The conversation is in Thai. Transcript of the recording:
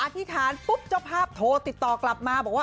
ธิษฐานปุ๊บเจ้าภาพโทรติดต่อกลับมาบอกว่า